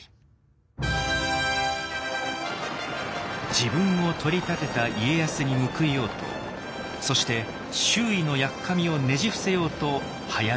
自分を取り立てた家康に報いようとそして周囲のやっかみをねじ伏せようとはやる直政。